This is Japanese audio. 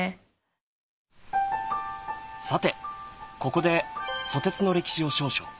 さてここでソテツの歴史を少々。